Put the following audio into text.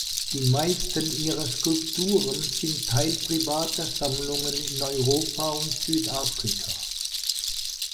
Die meisten ihrer Skulpturen sind Teil privater Sammlungen in Europa und Südafrika.